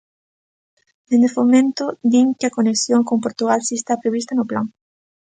Dende Fomento din que a conexión con Portugal si está prevista no plan.